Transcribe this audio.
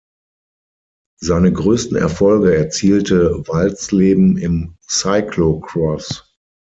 Seine größten Erfolge erzielte Walsleben im Cyclocross.